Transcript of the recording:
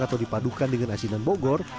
atau dipadukan dengan asinan bogor